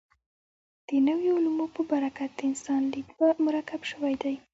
د نویو علومو په برکت د انسان لید مرکب شوی دی.